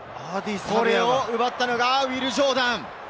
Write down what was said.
これを奪ったのがウィル・ジョーダン。